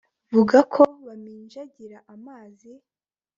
vuga ko bamijagira amazi